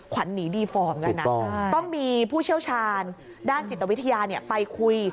ขวัญหนีดีฟอร์มกันนะต้องมีผู้เชี่ยวชาญด้านจิตวิทยาไปคุย